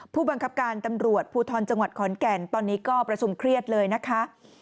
ผู้บังคับการตำรวจภูทรจังหวัดขอนแก่นตอนนี้ก็ประชุมเครียดเลยนะคะ